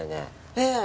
ええ。